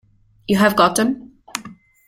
You have got them?